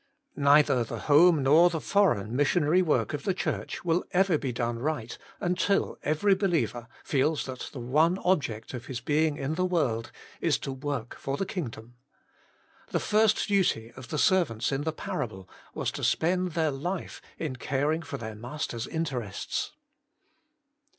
Neither the home nor the foreign missionary work of the Church will ever be done right until every believer feels that the one object of his being in the world is to work for the kingdom. The first duty of the servants in the parable was to spend their life in caring for their master's interests.